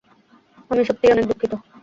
আমি সত্যিই অনেক দুঃখিত।